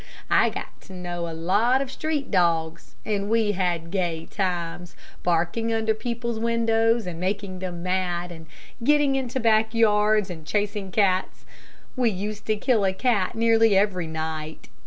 I got to know a lot of street dogs, and we had gay times, barking under people's windows and making them mad, and getting into back yards and chasing cats. We used to kill a cat nearly every night.